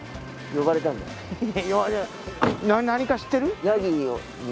何か知ってる？